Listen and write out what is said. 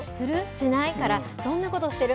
しない？からどんなことをしてる？